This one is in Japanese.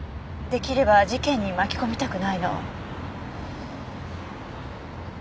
出来れば事件に巻き込みたくないの。